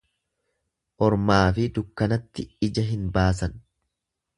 Ormaafi dukkanatti ija hin baasan.